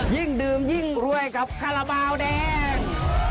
ยิ่งดื่มยิ่งรวยกับคาราบาลแดง